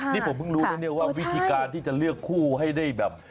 นี่ผมเพิ่งรู้นะเนี่ยว่าวิธีการที่จะเลือกคู่ให้ได้แบบ